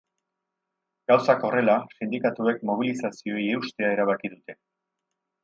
Gauzak horrela, sindikatuek mobilizazioei eustea erabaki dute.